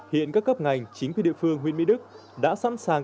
hiện các cấp ngành chính quyền địa phương huyện mỹ đức đã sẵn sàng